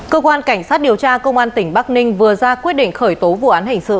cơ quan cảnh sát điều tra công an tỉnh bắc ninh vừa ra quyết định khởi tố vụ án hình sự